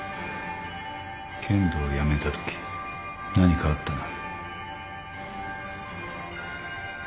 剣道をやめたとき何かあったな？